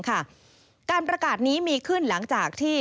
การประกาศนี้มีขึ้นหลังจากที่